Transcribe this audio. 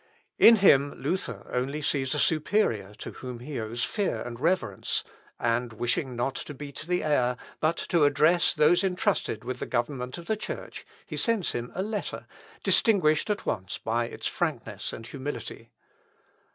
In him Luther only sees a superior to whom he owes fear and reverence; and wishing not to beat the air, but to address those entrusted with the government of the Church, he sends him a letter, distinguished at once by its frankness and humility.